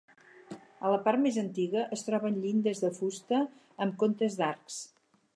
A la part més antiga es troben llindes de fusta en comptes d'arcs.